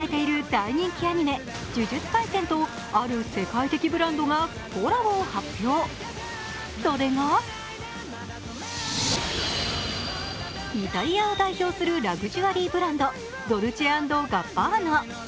来年、第２期放送が予定されている大人気アニメ、「呪術廻戦」とある世界的ブランドがコラボを発表、それがイタリアを代表するラグジュアリーブランド、ドルチェ＆ガッバーナ。